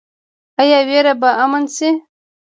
آیا ویره به امن شي؟